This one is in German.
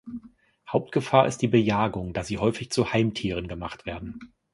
Hauptgefahr ist die Bejagung, da sie häufig zu Heimtieren gemacht werden.